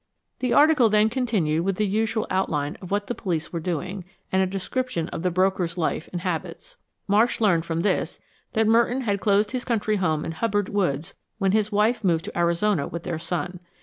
The article then continued with the usual outline of what the police were doing, and a description of the broker's life and habits. Marsh learned from this that Merton had closed his country home in Hubbard Woods when his wife moved to Arizona with their son.